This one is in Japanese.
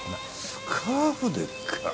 スカーフでっか？